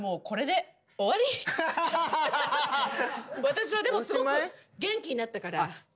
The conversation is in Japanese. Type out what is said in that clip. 私はでもすごく元気になったから。